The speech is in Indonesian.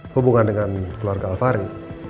hubungan dengan keluarga al fahri